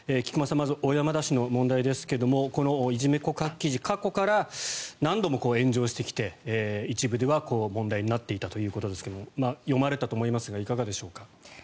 まず小山田氏の問題ですけどこのいじめ告白記事過去から何度も炎上してきて一部では問題になっていたということですが読まれたと思いますがいかがでしょうか。